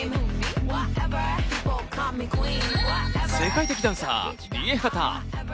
世界的ダンサー・ＲＩＥＨＡＴＡ。